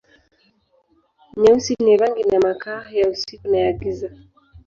Nyeusi ni rangi na makaa, ya usiku na ya giza.